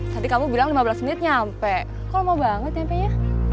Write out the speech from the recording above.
tadi kamu bilang lima belas menit nyampe kok mau banget nyampenya